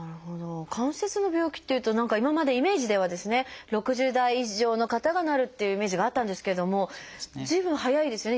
関節の病気っていうと何か今までイメージではですね６０代以上の方がなるっていうイメージがあったんですけども随分早いですね